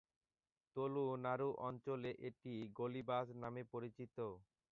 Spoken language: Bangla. তুলু নাড়ু অঞ্চলে এটি গোলিবাজ নামে পরিচিত।